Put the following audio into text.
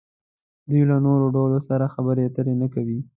دوی له نورو ډلو سره خبرې اترې نه کوي.